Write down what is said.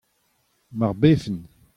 Mar befen.